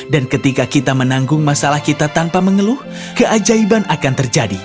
dan ketika kita menanggung masalah kita tanpa mengeluh keajaiban akan terjadi